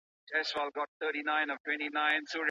ايا د قسم کفاره هم معلومه سوې ده؟